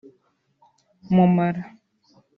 mu mara